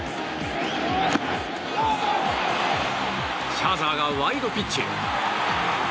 シャーザーがワイルドピッチ。